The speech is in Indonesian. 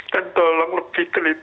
dan tolong lebih terhormat